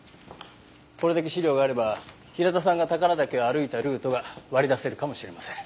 これだけ資料があれば平田さんが宝良岳を歩いたルートが割り出せるかもしれません。